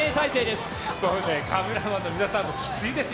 カメラマンの皆さんもきついですよ。